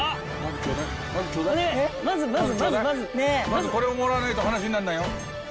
まずこれをもらわないと話にならないよ。